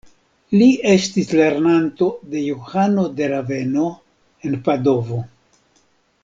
Li estis lernanto de Johano de Raveno, en Padovo.